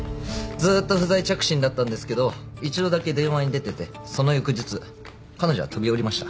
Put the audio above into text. ずと不在着信だったんですけど一度だけ電話に出ててその翌日彼女は飛び降りました。